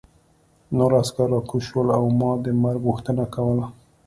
نور عسکر راکوز شول او ما د مرګ غوښتنه کوله